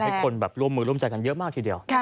ให้คนแบบร่วมมือร่วมใจกันเยอะมากทีเดียว